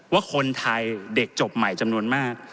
ว่าคนไทยเด็กจบใหม่จำนวนมาก